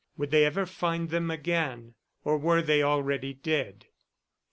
Would they ever find them again? ... Or were they already dead? ..